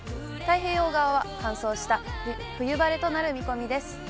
太平洋側は乾燥した冬晴れとなる見込みです。